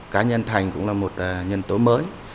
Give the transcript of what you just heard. cá nhân thành cũng là một nhân tố mới